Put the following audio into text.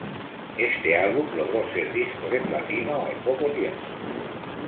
Este álbum logró ser disco de platino al poco tiempo.